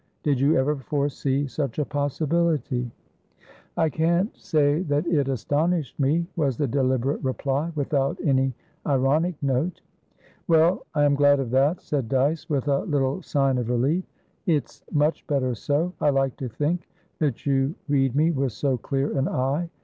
Did you ever foresee such a possibility?" "I can't say that it astonished me," was the deliberate reply, without any ironic note. "Well, I am glad of that," said Dyce, with a little sign of relief. "It's much better so. I like to think that you read me with so clear an eye.